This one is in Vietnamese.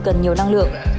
cần nhiều năng lượng